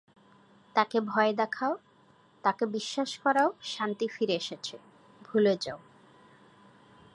তাকে ভয় দেখাও, তাকে বিশ্বাস করাও শান্তি ফিরে এসেছে, ভুলে যাও।